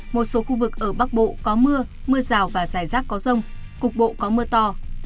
một số khu vực ở bắc bộ có mưa mưa rào và rải rác có rông cục bộ có mưa to